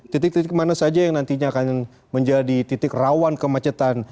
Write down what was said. titik titik mana saja yang nantinya akan menjadi titik rawan kemacetan